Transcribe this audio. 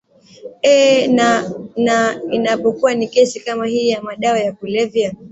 ee na na inapokuwa ni kesi kama hii ya madawa ya kulevya